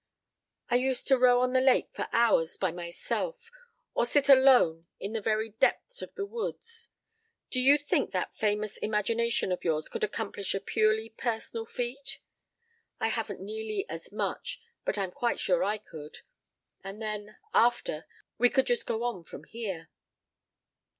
I used to row on the lake for hours by myself, or sit alone in the very depths of the woods. Do you think that famous imagination of yours could accomplish a purely personal feat? I haven't nearly as much but I'm quite sure I could. And then after we could just go on from here."